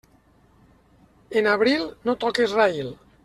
En abril no toques raïl.